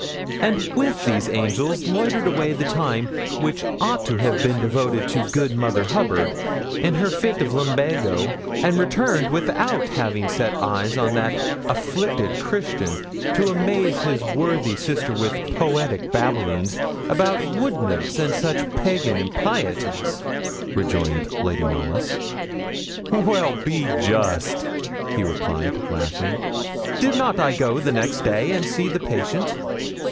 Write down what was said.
'And with these angels loitered away the time which ought to have been devoted to good Mother Hubbard, in her fit of lumbago, and returned without having set eyes on that afflicted Christian, to amaze his worthy sister with poetic babblings about wood nymphs and such pagan impieties,' rejoined Lady Knollys. 'Well, be just,' he replied, laughing; 'did not I go next day and see the patient?'